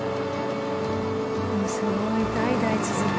すごい代々続く。